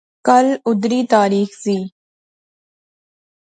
کل آھری تاریخ ذی